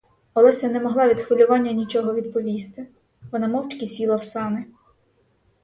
Олеся не могла від хвилювання нічого відповісти; вона мовчки сіла в сани.